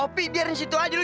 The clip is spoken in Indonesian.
opi biarkan di situ aja lu